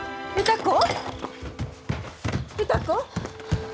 歌子？